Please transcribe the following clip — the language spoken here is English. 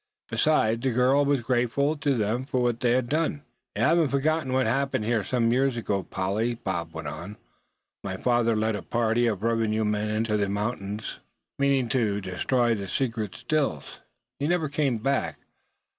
Besides, the girl was grateful to them for what they had done. "You haven't forgotten what happened here some years ago, Polly," Bob went on. "My father led a party of revenue men into these mountains, meaning to destroy the secret Stills. He never came back.